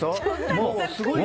もうすごいから。